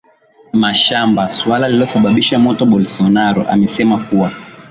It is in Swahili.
mashamba suala lililosababisha moto Bolsonaro amesema kuwa